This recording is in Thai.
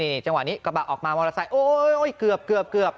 นี่จังหวะนี้กระบะออกมามอเตอร์ไซค์เกือบ